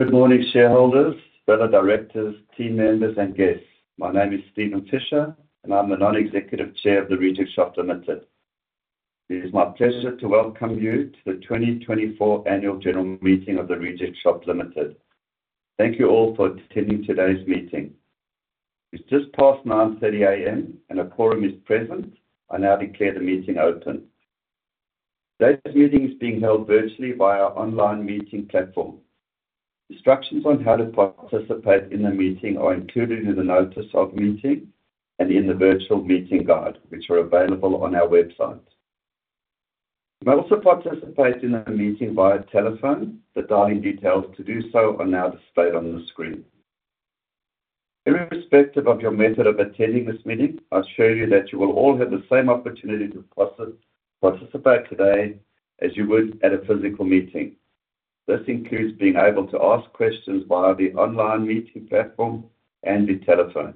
Good morning, shareholders, fellow directors, team members, and guests. My name is Steven Fisher, and I'm the Non-executive Chair of The Reject Shop Limited. It is my pleasure to welcome you to the 2024 Annual General Meeting of The Reject Shop Limited. Thank you all for attending today's meeting. It's just past 9:30 A.M., and a quorum is present. I now declare the meeting open. Today's meeting is being held virtually via our online meeting platform. Instructions on how to participate in the meeting are included in the notice of meeting and in the virtual meeting guide, which are available on our website. You may also participate in the meeting via telephone. The dialing details to do so are now displayed on the screen. Irrespective of your method of attending this meeting, I assure you that you will all have the same opportunity to participate today as you would at a physical meeting. This includes being able to ask questions via the online meeting platform and the telephone.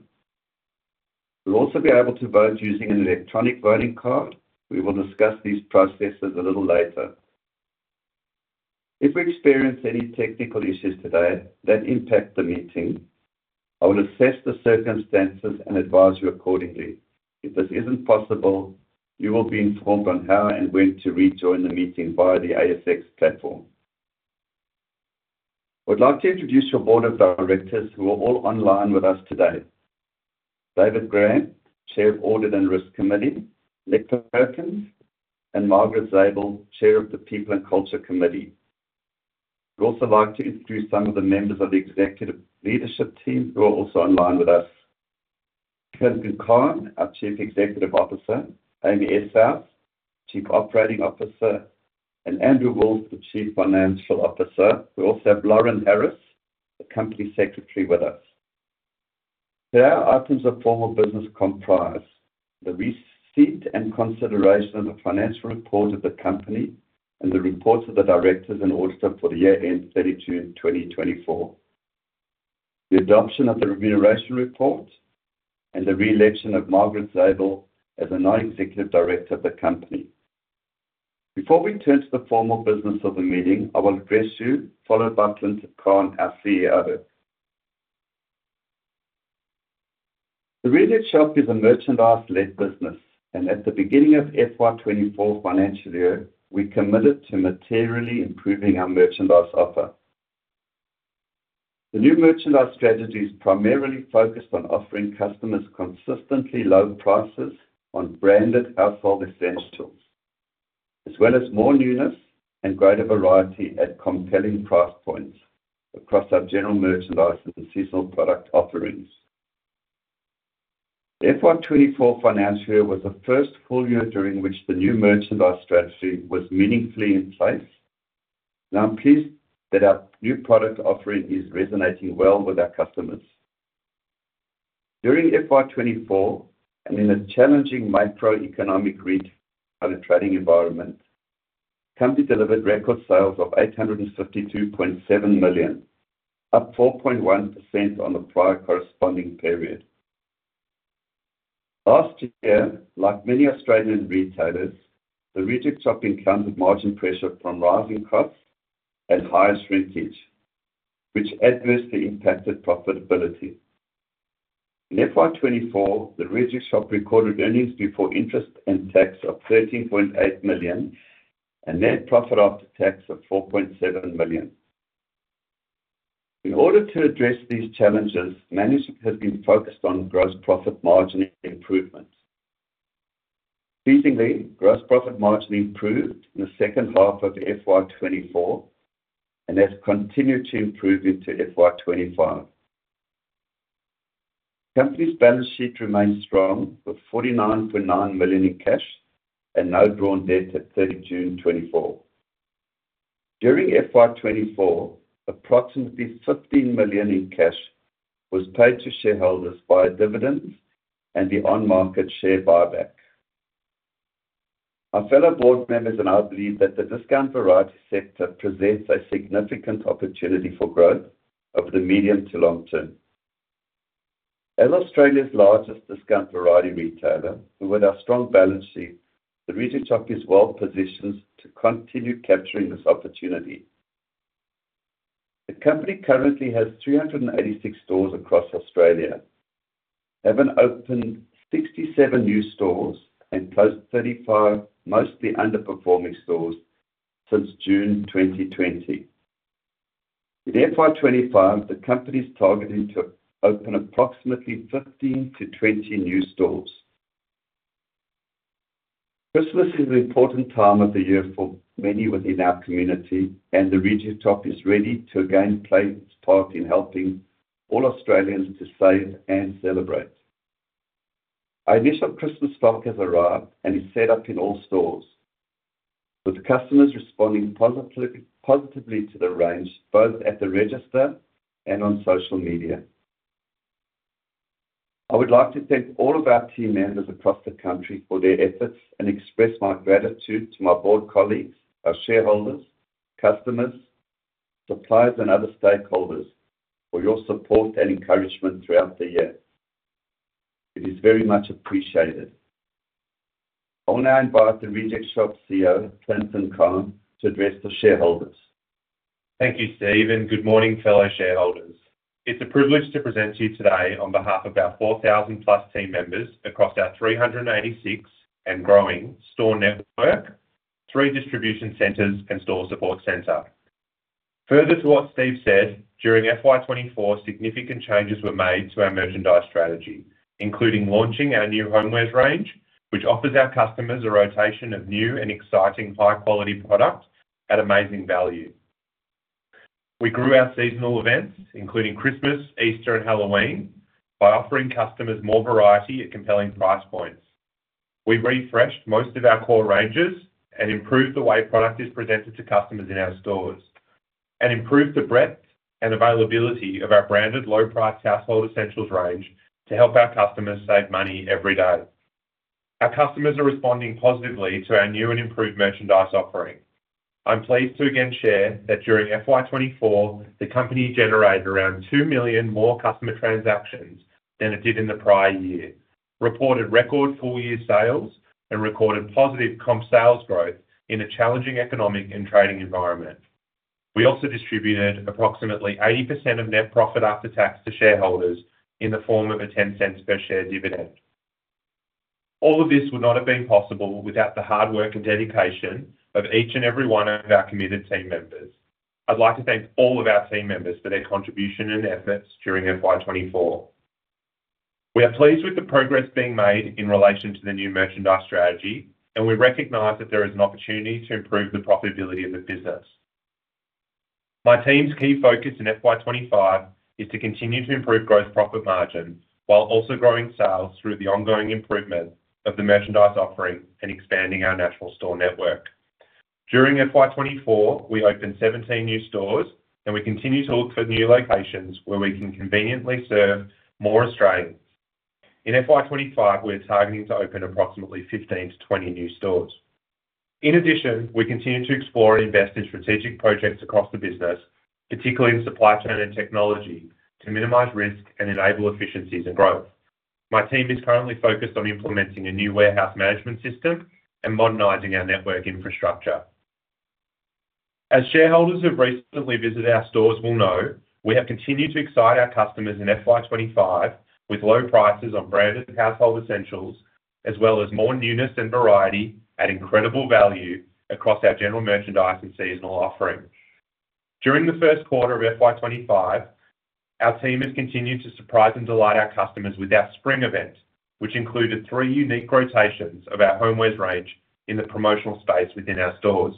You'll also be able to vote using an electronic voting card. We will discuss these processes a little later. If we experience any technical issues today that impact the meeting, I will assess the circumstances and advise you accordingly. If this isn't possible, you will be informed on how and when to rejoin the meeting via the ASX platform. I would like to introduce your board of directors, who are all online with us today. David Grant, Chair of Audit and Risk Committee, Nick Perkins, and Margaret Zabel, Chair of the People and Culture Committee. We'd also like to introduce some of the members of the executive leadership team, who are also online with us. Clinton Cahn, our Chief Executive Officer, Amy Eshuys, Chief Operating Officer, and Andrew Wolf, the Chief Financial Officer. We also have Lauren Harris, the Company Secretary, with us. Today, our items of formal business comprise the receipt and consideration of the financial report of the company and the reports of the directors and auditor for the year ended 31 July 2024, the adoption of the remuneration report, and the re-election of Margaret Zabel as a non-executive director of the company. Before we turn to the formal business of the meeting, I will address you, followed by Clinton Cahn, our CEO. The Reject Shop is a merchandise-led business, and at the beginning of FY twenty-four financial year, we committed to materially improving our merchandise offer. The new merchandise strategy is primarily focused on offering customers consistently low prices on branded household essentials, as well as more newness and greater variety at compelling price points across our general merchandise and seasonal product offerings. The FY 2024 financial year was the first full year during which the new merchandise strategy was meaningfully in place, and I'm pleased that our new product offering is resonating well with our customers. During FY 2024, and in a challenging macroeconomic retail and trading environment, company delivered record sales of 852.7 million, up 4.1% on the prior corresponding period. Last year, like many Australian retailers, The Reject Shop encountered margin pressure from rising costs and higher shrinkage, which adversely impacted profitability. In FY 2024, The Reject Shop recorded earnings before interest and tax of 13.8 million and net profit after tax of 4.7 million. In order to address these challenges, management has been focused on gross profit margin improvements. Pleasingly, gross profit margin improved in the second half of FY 2024 and has continued to improve into FY 2025. Company's balance sheet remains strong, with 49.9 million in cash and no drawn debt at 30 June 2024. During FY 2024, approximately 15 million in cash was paid to shareholders via dividends and the on-market share buyback. Our fellow board members and I believe that the discount variety sector presents a significant opportunity for growth over the medium to long term. As Australia's largest discount variety retailer and with our strong balance sheet, The Reject Shop is well positioned to continue capturing this opportunity. The company currently has 386 stores across Australia, having opened 67 new stores and closed 35, mostly underperforming stores since June 2020. In FY 2025, the company is targeting to open approximately 15-20 new stores. Christmas is an important time of the year for many within our community, and The Reject Shop is ready to again play its part in helping all Australians to save and celebrate. Our initial Christmas stock has arrived and is set up in all stores, with customers responding positively to the range, both at the register and on social media. I would like to thank all of our team members across the country for their efforts, and express my gratitude to my board colleagues, our shareholders, customers, suppliers, and other stakeholders for your support and encouragement throughout the year. It is very much appreciated. I'll now invite The Reject Shop CEO, Clinton Cahn, to address the shareholders. Thank you, Steve, and good morning, fellow shareholders. It's a privilege to present to you today on behalf of our four thousand plus team members across our three hundred and eighty-six, and growing, store network, three distribution centers, and store support center. Further to what Steve said, during FY twenty-four, significant changes were made to our merchandise strategy, including launching our new homewares range, which offers our customers a rotation of new and exciting high-quality products at amazing value. We grew our seasonal events, including Christmas, Easter, and Halloween, by offering customers more variety at compelling price points. We've refreshed most of our core ranges and improved the way product is presented to customers in our stores, and improved the breadth and availability of our branded low-price household essentials range to help our customers save money every day. Our customers are responding positively to our new and improved merchandise offering. I'm pleased to again share that during FY twenty-four, the company generated around two million more customer transactions than it did in the prior year, reported record full-year sales, and recorded positive comp sales growth in a challenging economic and trading environment. We also distributed approximately 80% of net profit after tax to shareholders in the form of a 0.10 per share dividend. All of this would not have been possible without the hard work and dedication of each and every one of our committed team members. I'd like to thank all of our team members for their contribution and efforts during FY twenty-four. We are pleased with the progress being made in relation to the new merchandise strategy, and we recognize that there is an opportunity to improve the profitability of the business. My team's key focus in FY 2025 is to continue to improve gross profit margin, while also growing sales through the ongoing improvement of the merchandise offering and expanding our national store network. During FY 2024, we opened 17 new stores, and we continue to look for new locations where we can conveniently serve more Australians. In FY 2025, we're targeting to open approximately 15-20 new stores. In addition, we continue to explore and invest in strategic projects across the business, particularly in supply chain and technology, to minimize risk and enable efficiencies and growth. My team is currently focused on implementing a new warehouse management system and modernizing our network infrastructure. As shareholders who have recently visited our stores will know, we have continued to excite our customers in FY twenty-five with low prices on branded household essentials, as well as more newness and variety at incredible value across our general merchandise and seasonal offering. During the first quarter of FY twenty-five, our team has continued to surprise and delight our customers with our spring event, which included three unique rotations of our homewares range in the promotional space within our stores.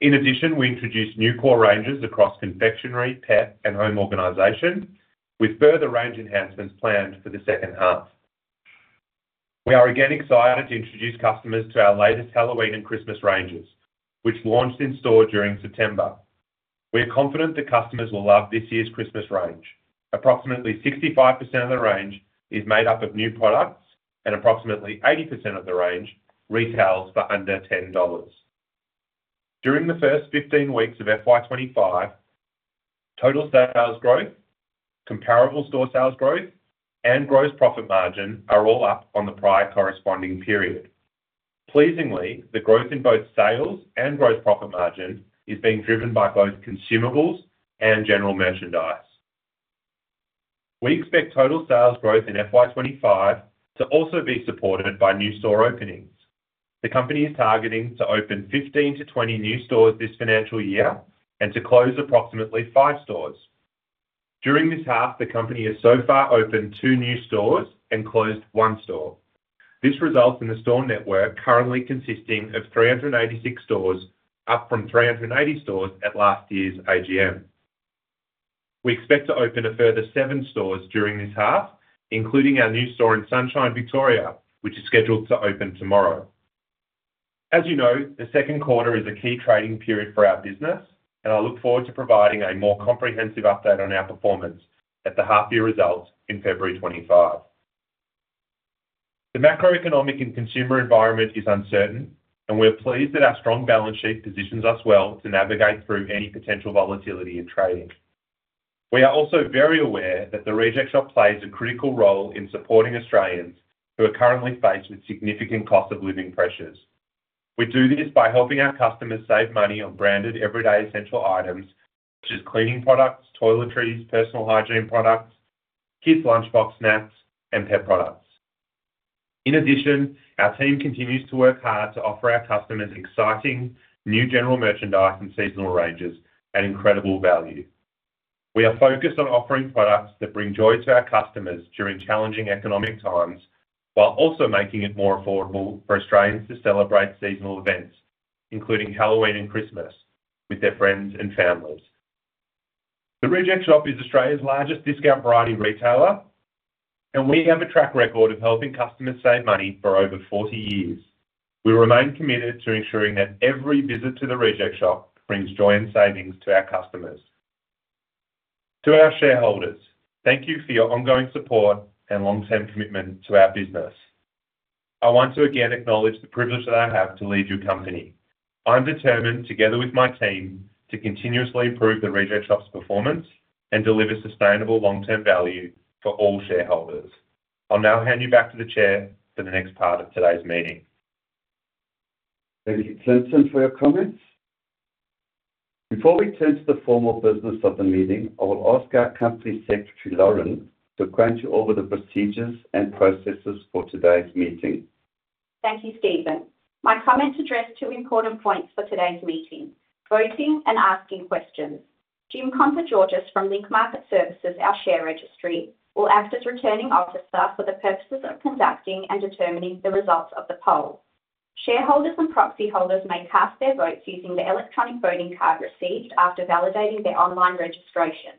In addition, we introduced new core ranges across confectionery, pet, and home organization, with further range enhancements planned for the second half. We are again excited to introduce customers to our latest Halloween and Christmas ranges, which launched in store during September. We are confident that customers will love this year's Christmas range. Approximately 65% of the range is made up of new products, and approximately 80% of the range retails for under 10 dollars. During the first 15 weeks of FY 25, total sales growth, comparable store sales growth, and gross profit margin are all up on the prior corresponding period. Pleasingly, the growth in both sales and gross profit margin is being driven by both consumables and general merchandise. We expect total sales growth in FY 25 to also be supported by new store openings. The company is targeting to open 15 to 20 new stores this financial year and to close approximately 5 stores. During this half, the company has so far opened 2 new stores and closed one store. This results in the store network currently consisting of 386 stores, up from 380 stores at last year's AGM. We expect to open a further seven stores during this half, including our new store in Sunshine, Victoria, which is scheduled to open tomorrow. As you know, the second quarter is a key trading period for our business, and I look forward to providing a more comprehensive update on our performance at the half-year results in February 2025. The macroeconomic and consumer environment is uncertain, and we're pleased that our strong balance sheet positions us well to navigate through any potential volatility in trading. We are also very aware that The Reject Shop plays a critical role in supporting Australians who are currently faced with significant cost of living pressures. We do this by helping our customers save money on branded, everyday, essential items, such as cleaning products, toiletries, personal hygiene products, kids' lunchbox snacks, and pet products. In addition, our team continues to work hard to offer our customers exciting new general merchandise and seasonal ranges at incredible value. We are focused on offering products that bring joy to our customers during challenging economic times, while also making it more affordable for Australians to celebrate seasonal events, including Halloween and Christmas, with their friends and families. The Reject Shop is Australia's largest discount variety retailer, and we have a track record of helping customers save money for over forty years. We remain committed to ensuring that every visit to The Reject Shop brings joy and savings to our customers. To our shareholders, thank you for your ongoing support and long-term commitment to our business. I want to again acknowledge the privilege that I have to lead your company. I'm determined, together with my team, to continuously improve The Reject Shop's performance and deliver sustainable long-term value for all shareholders. I'll now hand you back to the Chair for the next part of today's meeting. Thank you, Clinton, for your comments. Before we turn to the formal business of the meeting, I will ask our Company Secretary, Lauren, to go over the procedures and processes for today's meeting. Thank you, Steven. My comments address two important points for today's meeting: voting and asking questions. Jim Contogeorgis from Link Market Services, our share registry, will act as Returning Officer for the purposes of conducting and determining the results of the poll. Shareholders and proxy holders may cast their votes using the electronic voting card received after validating their online registration.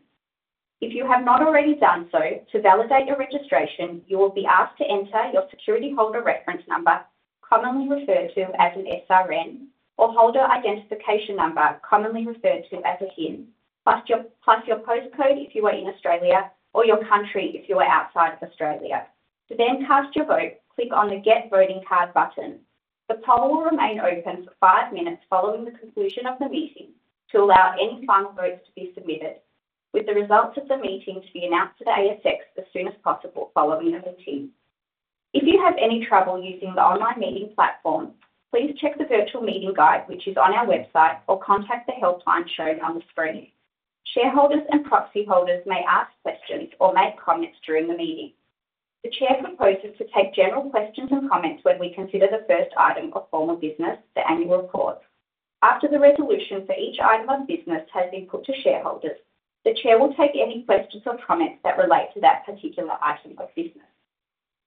If you have not already done so, to validate your registration, you will be asked to enter your security holder reference number, commonly referred to as an SRN, or holder identification number, commonly referred to as a HIN, plus your postcode if you are in Australia or your country if you are outside of Australia. To then cast your vote, click on the Get Voting Card button. The poll will remain open for five minutes following the conclusion of the meeting to allow any final votes to be submitted, with the results of the meeting to be announced to the ASX as soon as possible following the meeting. If you have any trouble using the online meeting platform, please check the virtual meeting guide, which is on our website, or contact the helpline shown on the screen. Shareholders and proxy holders may ask questions or make comments during the meeting. The chair proposes to take general questions and comments when we consider the first item of formal business, the annual report. After the resolution for each item of business has been put to shareholders, the chair will take any questions or comments that relate to that particular item of business.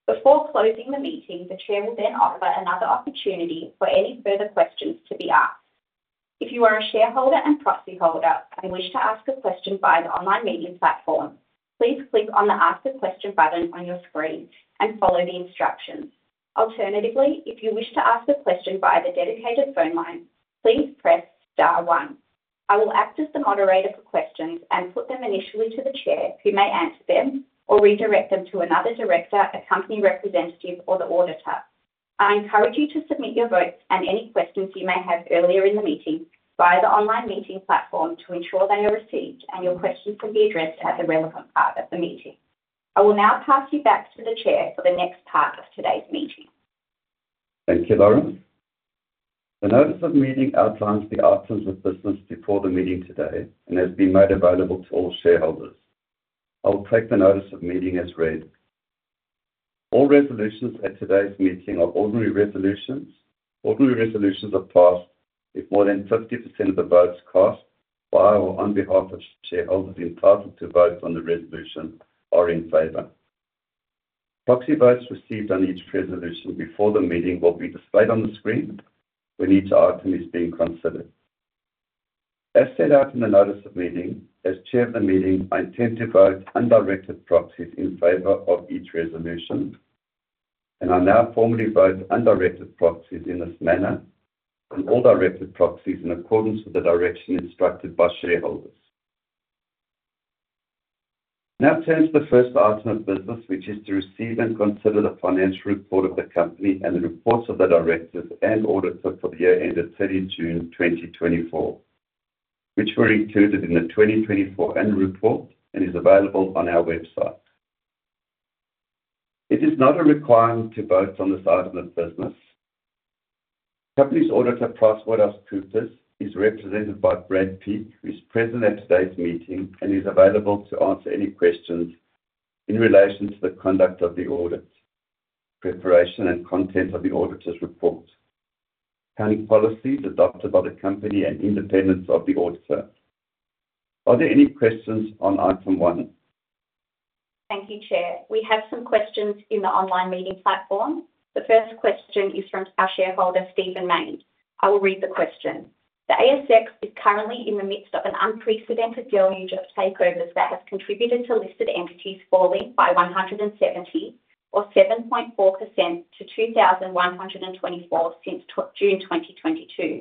Before closing the meeting, the Chair will then offer another opportunity for any further questions to be asked. If you are a shareholder and proxy holder and wish to ask a question via the online meeting platform, please click on the Ask a Question button on your screen and follow the instructions. Alternatively, if you wish to ask a question via the dedicated phone line, please press star one. I will act as the moderator for questions and put them initially to the Chair, who may answer them or redirect them to another director, a company representative, or the auditor. I encourage you to submit your votes and any questions you may have earlier in the meeting via the online meeting platform to ensure they are received and your questions can be addressed at the relevant part of the meeting. I will now pass you back to the chair for the next part of today's meeting. Thank you, Lauren. The notice of meeting outlines the items of business before the meeting today and has been made available to all shareholders. I will take the notice of meeting as read. All resolutions at today's meeting are ordinary resolutions. Ordinary resolutions are passed if more than 50% of the votes cast by or on behalf of shareholders entitled to vote on the resolution are in favor. Proxy votes received on each resolution before the meeting will be displayed on the screen when each item is being considered. As set out in the notice of meeting, as chair of the meeting, I intend to vote undirected proxies in favor of each resolution, and I now formally vote undirected proxies in this manner and all directed proxies in accordance with the direction instructed by shareholders. Now turn to the first item of business, which is to receive and consider the financial report of the company and the reports of the directors and auditors for the year ended thirty June twenty twenty-four, which were included in the twenty twenty-four annual report and is available on our website. It is not a requirement to vote on this item of business. Company's auditor, PricewaterhouseCoopers, is represented by Brad Peake, who is present at today's meeting and is available to answer any questions in relation to the conduct of the audit, preparation and content of the auditor's report, accounting policies adopted by the company, and independence of the auditor. Are there any questions on item one? Thank you, Chair. We have some questions in the online meeting platform. The first question is from our shareholder, Stephen Mayne. I will read the question: The ASX is currently in the midst of an unprecedented deluge of takeovers that have contributed to listed entities falling by 170 or 7.4% to 2,124 since June 2022.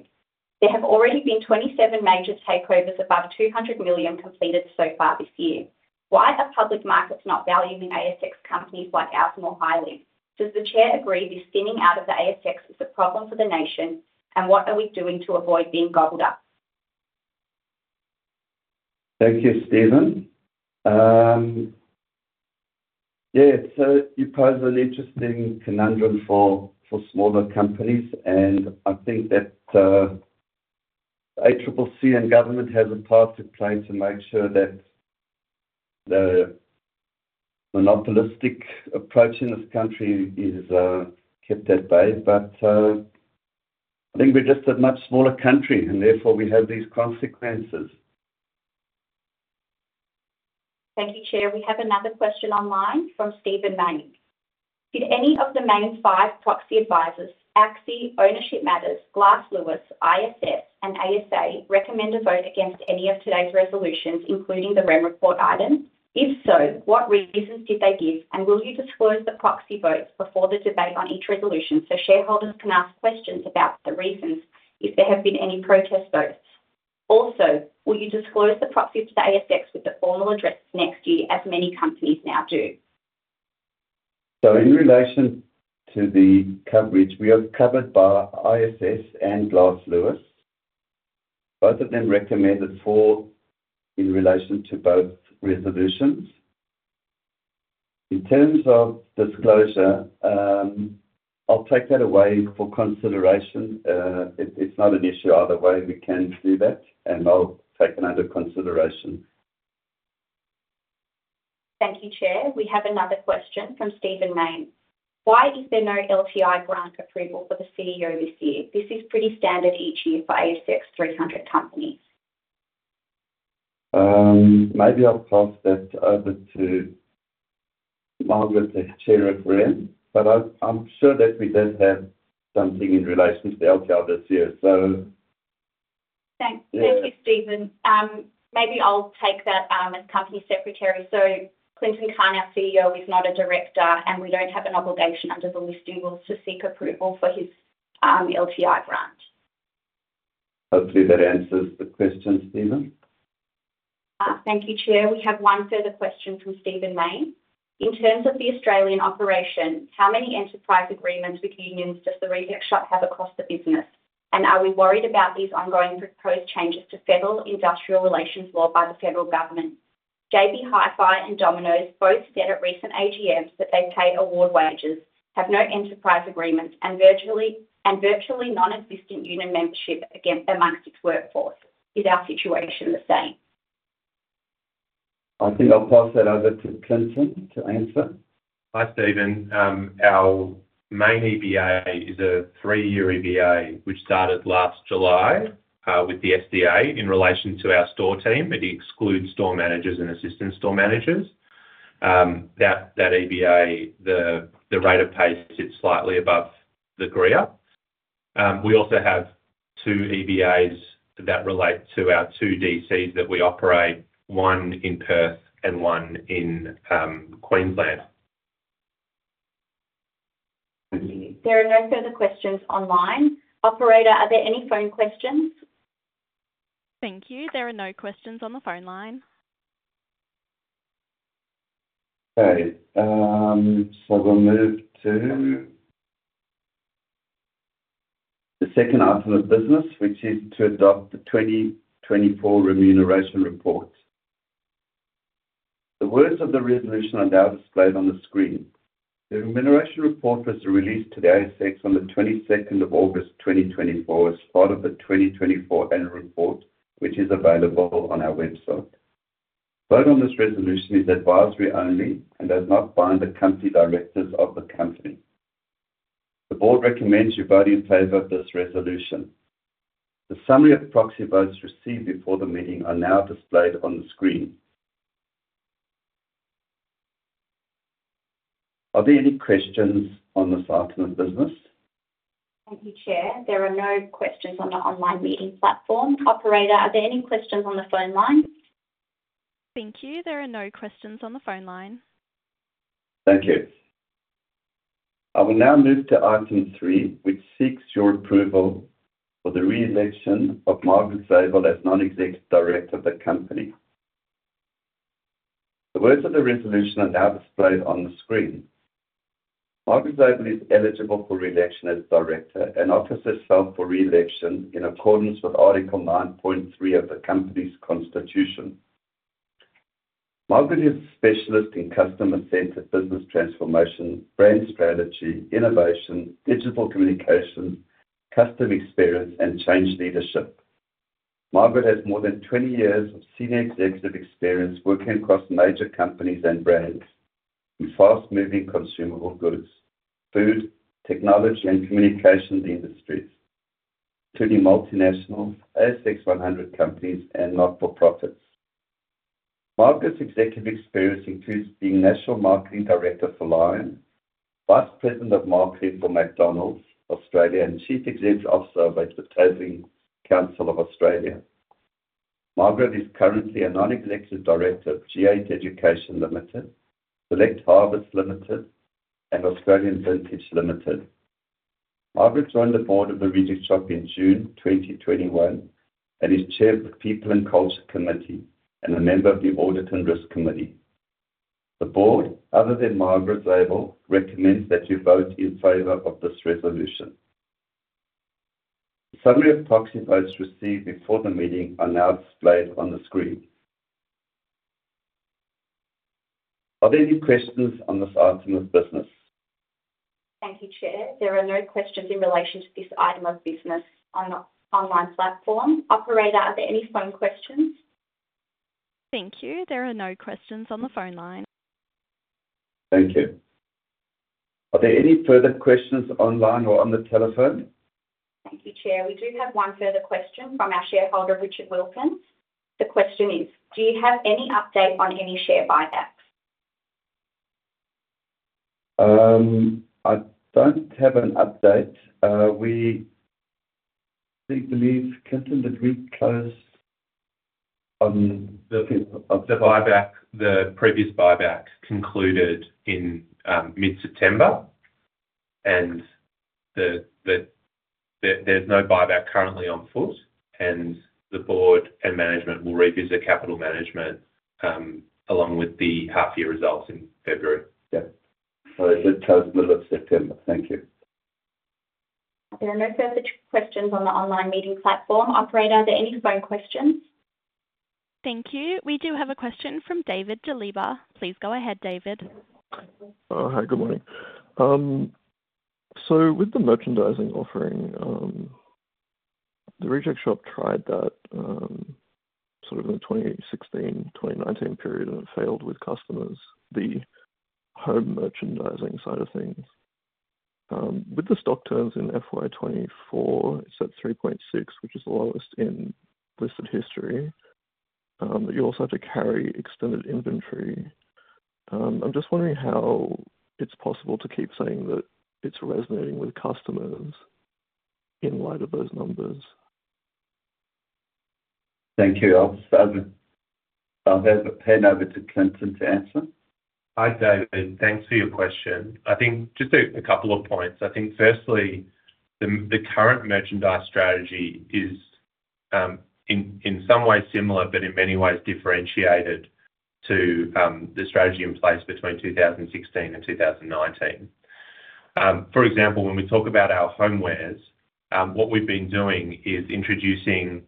There have already been 27 major takeovers above 200 million completed so far this year. Why are public markets not valuing ASX companies like ours more highly? Does the Chair agree this spinning out of the ASX is a problem for the nation, and what are we doing to avoid being gobbled up? Thank you, Steven. Yeah, so you pose an interesting conundrum for smaller companies, and I think that ACCC and government has a part to play to make sure that the monopolistic approach in this country is kept at bay. But I think we're just a much smaller country and therefore we have these consequences. Thank you, Chair. We have another question online from Stephen Mayne. Did any of the main five proxy advisors, Axie, Ownership Matters, Glass Lewis, ISS, and ASA, recommend a vote against any of today's resolutions, including the remuneration report item? If so, what reasons did they give, and will you disclose the proxy votes before the debate on each resolution so shareholders can ask questions about the reasons if there have been any protest votes? Also, will you disclose the proxies to ASX with the formal address next year, as many companies now do? So in relation to the coverage, we are covered by ISS and Glass Lewis. Both of them recommended for, in relation to both resolutions. In terms of disclosure, I'll take that away for consideration. It's not an issue either way, we can do that, and I'll take it under consideration. Thank you, Chair. We have another question from Stephen Mayne. Why is there no LTI grant approval for the CEO this year? This is pretty standard each year for ASX 300 companies. Maybe I'll pass that over to Margaret to share a frame, but I'm sure that we did have something in relation to the LTI this year, so. Thanks. Thank you, Steven. Maybe I'll take that as company secretary. So Clinton Cahn, our CEO, is not a director, and we don't have an obligation under the listing rules to seek approval for his LTI grant. Hopefully that answers the question, Stephen. Thank you, Chair. We have one further question from Stephen Mayne. In terms of the Australian operation, how many enterprise agreements with unions does The Reject Shop have across the business? And are we worried about these ongoing proposed changes to federal industrial relations law by the federal government? JB Hi-Fi and Domino's both said at recent AGMs that they pay award wages, have no enterprise agreements, and virtually non-existent union membership amongst its workforce. Is our situation the same? I think I'll pass that over to Clinton to answer. Hi, Steven. Our main EBA is a three-year EBA, which started last July, with the SDA in relation to our store team. It excludes store managers and assistant store managers. That EBA, the rate of pay sits slightly above the award. We also have two EBAs that relate to our two DCs that we operate, one in Perth and one in Queensland. There are no further questions online. Operator, are there any phone questions? Thank you. There are no questions on the phone line. Okay, so we'll move to the second item of business, which is to adopt the twenty twenty-four remuneration report. The words of the resolution are now displayed on the screen. The remuneration report was released to the ASX on the twenty-second of August, twenty twenty-four, as part of the twenty twenty-four annual report, which is available on our website. Vote on this resolution is advisory only and does not bind the company directors of the company. The board recommends you vote in favor of this resolution. The summary of proxy votes received before the meeting are now displayed on the screen. Are there any questions on this item of business? Thank you, Chair. There are no questions on the online meeting platform. Operator, are there any questions on the phone line? Thank you. There are no questions on the phone line. Thank you. I will now move to item three, which seeks your approval for the re-election of Margaret Zabel as non-executive director of the company. The words of the resolution are now displayed on the screen. Margaret Zabel is eligible for re-election as director and offers herself for re-election in accordance with Article nine point three of the company's constitution. Margaret is a specialist in customer-centered business transformation, brand strategy, innovation, digital communications, customer experience, and change leadership. Margaret has more than 20 years of senior executive experience working across major companies and brands in fast-moving consumable goods, food, technology, and communications industries, including multinationals, ASX 100 companies, and not-for-profits. Margaret's executive experience includes being national marketing director for Lion, vice president of marketing for McDonald's Australia, and chief executive officer of the Advertising Council of Australia. Margaret is currently a non-executive director of G8 Education Limited, Select Harvests Limited, and Australian Vintage Limited. Margaret joined the board of The Reject Shop in June 2021 and is chair of the People and Culture Committee and a member of the Audit and Risk Committee. The board, other than Margaret Zabel, recommends that you vote in favor of this resolution. Summary of proxy votes received before the meeting are now displayed on the screen. Are there any questions on this item of business? Thank you, Chair. There are no questions in relation to this item of business on our online platform. Operator, are there any phone questions? Thank you. There are no questions on the phone line. Thank you. Are there any further questions online or on the telephone? Thank you, Chair. We do have one further question from our shareholder, Richard Wilson. The question is: Do you have any update on any share buybacks? I don't have an update. I think the move, Clinton, did we close on the- The buyback, the previous buyback concluded in mid-September, and there's no buyback currently on foot, and the board and management will revisit capital management along with the half-year results in February. Yeah. So it's towards the middle of September. Thank you. There are no further questions on the online meeting platform. Operator, are there any phone questions? Thank you. We do have a question from David Jaliba. Please go ahead, David. Hi, good morning. So with the merchandising offering, The Reject Shop tried that, sort of in the 2016-2019 period, and it failed with customers, the home merchandising side of things. With the stock turns in FY 2024, it's at 3.6, which is the lowest in listed history. You also have to carry extended inventory. I'm just wondering how it's possible to keep saying that it's resonating with customers in light of those numbers. Thank you. I'll hand the pen over to Clinton to answer. Hi, David. Thanks for your question. I think just a couple of points. I think firstly, the current merchandise strategy is in some ways similar, but in many ways differentiated to the strategy in place between 2016 and 2019. For example, when we talk about our homewares, what we've been doing is introducing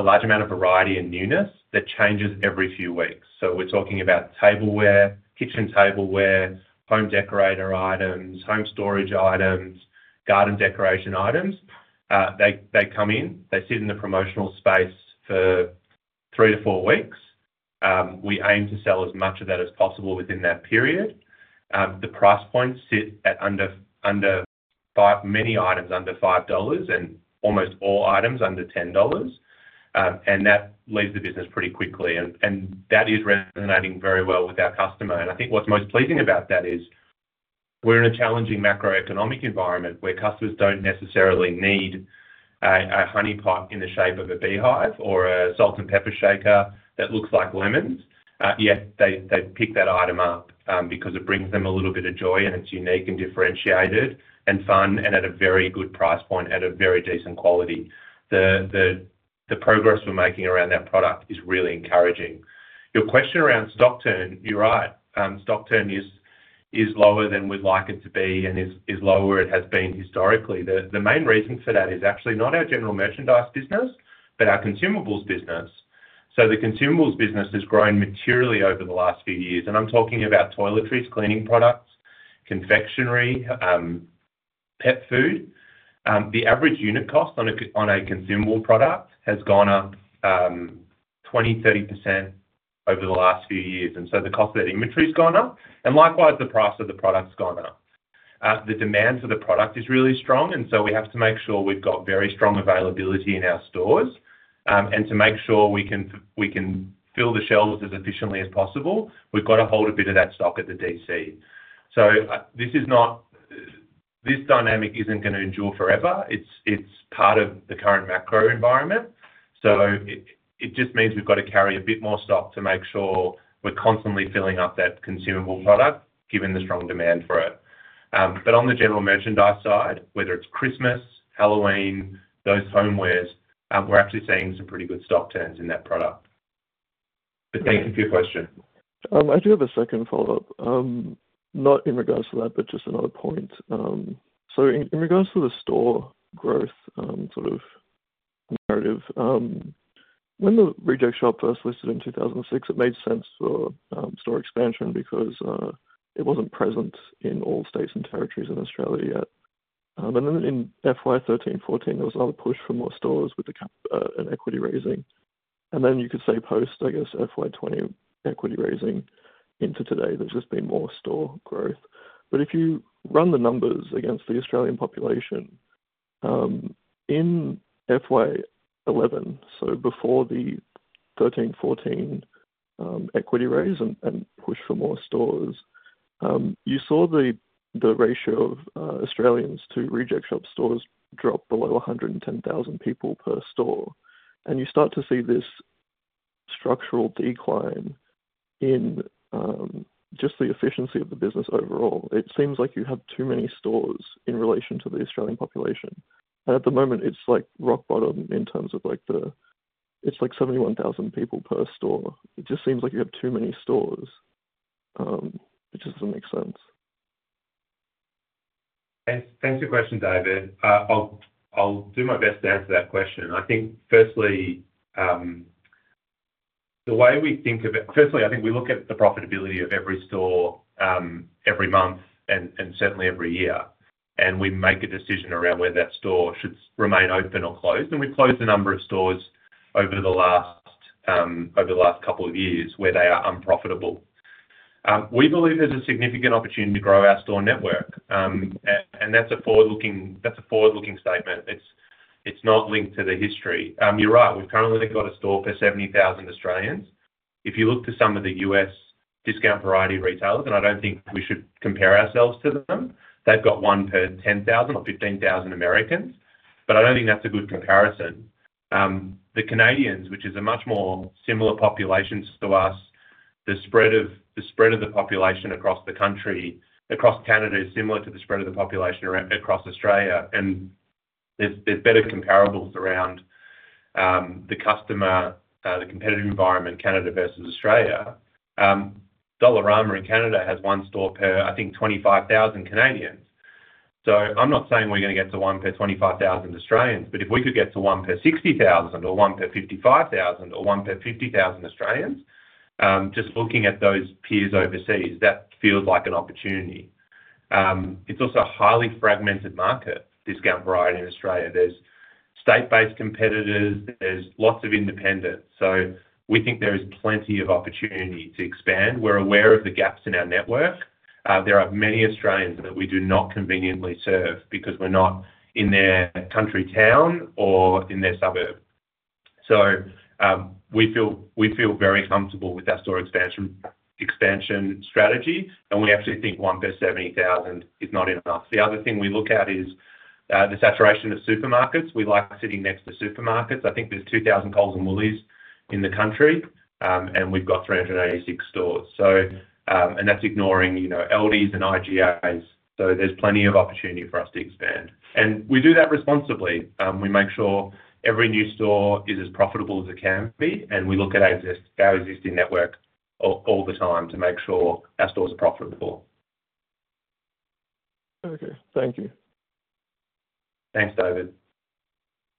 a large amount of variety and newness that changes every few weeks. So we're talking about tableware, kitchen tableware, home decorator items, home storage items, garden decoration items. They come in, they sit in the promotional space for three to four weeks. We aim to sell as much of that as possible within that period. The price points sit at under five—many items under 5 dollars and almost all items under 10 dollars. That leaves the business pretty quickly, and that is resonating very well with our customer. I think what's most pleasing about that is, we're in a challenging macroeconomic environment where customers don't necessarily need a honey pot in the shape of a beehive or a salt and pepper shaker that looks like lemons. Yet they pick that item up because it brings them a little bit of joy, and it's unique and differentiated and fun, and at a very good price point, at a very decent quality. The progress we're making around that product is really encouraging. Your question around stock turn, you're right. Stock turn is lower than we'd like it to be and is lower it has been historically. The main reason for that is actually not our general merchandise business, but our consumables business. So the consumables business has grown materially over the last few years, and I'm talking about toiletries, cleaning products, confectionery, pet food. The average unit cost on a consumable product has gone up 20-30% over the last few years, and so the cost of that inventory has gone up, and likewise, the price of the product's gone up. The demand for the product is really strong, and so we have to make sure we've got very strong availability in our stores. And to make sure we can fill the shelves as efficiently as possible, we've got to hold a bit of that stock at the DC. So this is not... This dynamic isn't gonna endure forever. It's part of the current macro environment, so it just means we've got to carry a bit more stock to make sure we're constantly filling up that consumable product, given the strong demand for it, but on the general merchandise side, whether it's Christmas, Halloween, those homewares, we're actually seeing some pretty good stock turns in that product, but thank you for your question. I do have a second follow-up, not in regards to that, but just another point. So in regards to the store growth sort of narrative, when The Reject Shop first listed in two thousand and six, it made sense for store expansion because it wasn't present in all states and territories in Australia yet, and then in FY thirteen, fourteen, there was another push for more stores with the cap and equity raising, and then you could say post, I guess, FY twenty equity raising into today, there's just been more store growth. But if you run the numbers against the Australian population, in FY 2011, so before the 2013, 2014, equity raise and push for more stores, you saw the ratio of Australians to Reject Shop stores drop below 110,000 people per store. And you start to see this structural decline in just the efficiency of the business overall. It seems like you have too many stores in relation to the Australian population. And at the moment, it's like rock bottom in terms of like the, it's like 71,000 people per store. It just seems like you have too many stores, which doesn't make sense. Thanks, thanks for your question, David. I'll do my best to answer that question. I think firstly, the way we think of it. Firstly, I think we look at the profitability of every store, every month and certainly every year, and we make a decision around whether that store should remain open or closed. And we've closed a number of stores over the last couple of years where they are unprofitable. We believe there's a significant opportunity to grow our store network. And that's a forward-looking, that's a forward-looking statement. It's not linked to the history. You're right, we've currently got a store for seventy thousand Australians. If you look to some of the U.S. discount variety retailers, and I don't think we should compare ourselves to them, they've got one per ten thousand or fifteen thousand Americans, but I don't think that's a good comparison. The Canadians, which is a much more similar population to us, the spread of the population across the country, across Canada is similar to the spread of the population around, across Australia, and there's better comparables around the customer, the competitive environment, Canada versus Australia. Dollarama in Canada has one store per, I think, twenty-five thousand Canadians. So I'm not saying we're gonna get to one per twenty-five thousand Australians, but if we could get to one per sixty thousand or one per fifty-five thousand or one per fifty thousand Australians, just looking at those peers overseas, that feels like an opportunity. It's also a highly fragmented market, discount variety in Australia. There's state-based competitors, there's lots of independents. So we think there is plenty of opportunity to expand. We're aware of the gaps in our network. There are many Australians that we do not conveniently serve because we're not in their country town or in their suburb. So we feel very comfortable with our store expansion strategy, and we actually think one per 70,000 is not enough. The other thing we look at is the saturation of supermarkets. We like sitting next to supermarkets. I think there's 2,000 Coles and Woolies in the country, and we've got 386 stores. And that's ignoring, you know, Aldi and IGAs, so there's plenty of opportunity for us to expand. And we do that responsibly. We make sure every new store is as profitable as it can be, and we look at our existing network all the time to make sure our stores are profitable. Okay. Thank you. Thanks, David.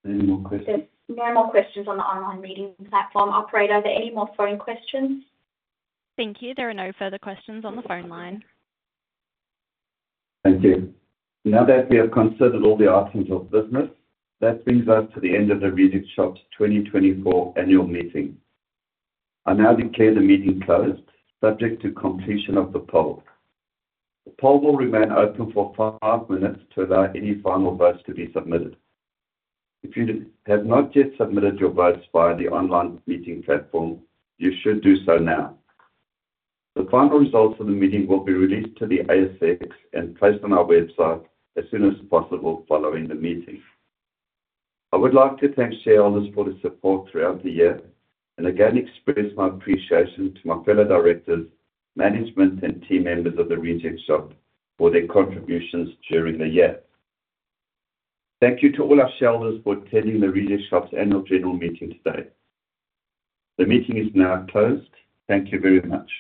Any more questions? There's no more questions on the online meeting platform. Operator, are there any more phone questions? Thank you. There are no further questions on the phone line. Thank you. Now that we have considered all the items of business, that brings us to the end of The Reject Shop's 2024 annual meeting. I now declare the meeting closed, subject to completion of the poll. The poll will remain open for five minutes to allow any final votes to be submitted. If you have not yet submitted your votes via the online meeting platform, you should do so now. The final results of the meeting will be released to the ASX and placed on our website as soon as possible following the meeting. I would like to thank shareholders for the support throughout the year, and again, express my appreciation to my fellow directors, management, and team members of The Reject Shop for their contributions during the year. Thank you to all our shareholders for attending The Reject Shop's Annual General Meeting today. The meeting is now closed. Thank you very much.